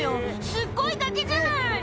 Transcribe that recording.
すっごい崖じゃない！